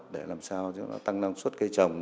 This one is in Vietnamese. để làm sao tăng năng suất cây trồng